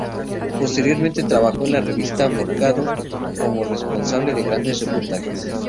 Posteriormente, trabajó en la revista "Mercado" como responsable de grandes reportajes.